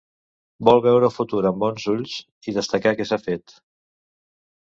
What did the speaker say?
Vol veure el futur amb bons ulls i destacar què s’ha fet.